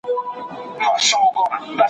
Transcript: په پیل کې لوی ګامونه مه اخلئ.